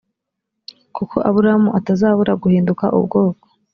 kuko aburahamu atazabura guhinduka ubwoko